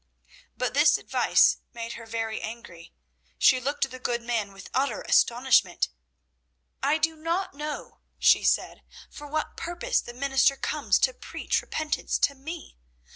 But this advice made her very angry. She looked at the good man with utter astonishment. "I do not know," she said, "for what purpose the minister comes to preach repentance to me.